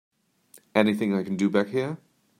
Anything I can do back here?